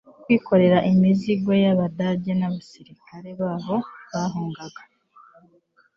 kwikorera imizigo y'abadage n'abasirikare babo bahungaga